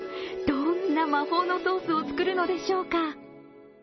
どんな魔法のソースを作るのでしょうか。